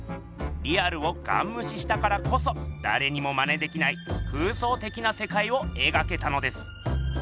リアルをガンむししたからこそだれにもマネできない空想的なせかいをえがけたのです。